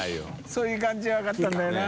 そういう感じ」は分かったんだよな。